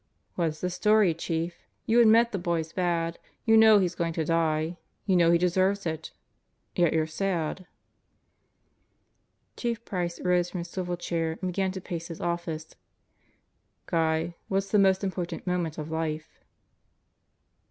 "What's the story, Chief? You admit the boy's bad. You know he's going to die. You know he deserves it. Yet you're sad." Chief Price rose from his swivel chair and began to pace his office. "Guy, what's the most important moment of life?"